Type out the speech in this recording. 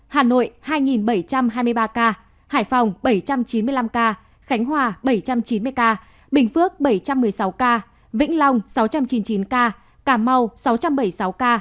hà nội hai bảy trăm hai mươi ba ca hải phòng bảy trăm chín mươi năm ca khánh hòa bảy trăm chín mươi ca bình phước bảy trăm một mươi sáu ca vĩnh long sáu trăm chín mươi chín ca cà mau sáu trăm bảy mươi sáu ca